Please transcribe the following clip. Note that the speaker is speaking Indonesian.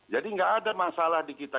jadi gak ada masalah di kita